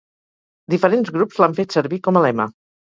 Diferents grups l'han fet servir com a lema.